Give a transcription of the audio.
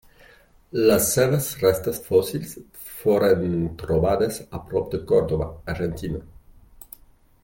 Les seves restes fòssils foren trobades a prop de Córdoba, Argentina.